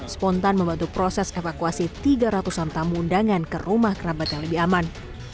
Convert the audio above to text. spontan membantu proses evakuasi tiga ratus an tamu undangan ke rumah kerabat yang lebih aman